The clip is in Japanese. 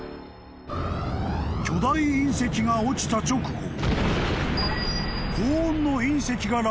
［巨大隕石が落ちた直後］